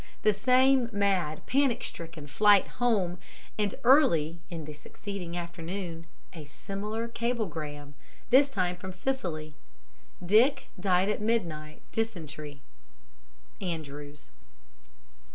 the same mad, panic stricken flight home, and, early in the succeeding afternoon, a similar cablegram this time from Sicily. 'Dick died at midnight. Dysentery. Andrews.'